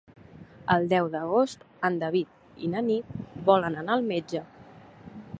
El deu d'agost en David i na Nit volen anar al metge.